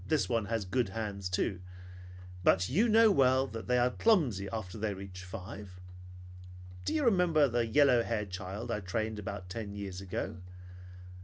Well, this one has good hands too. But you know well that they are clumsy after they reach five. Do you remember the yellow haired child I trained about ten years ago?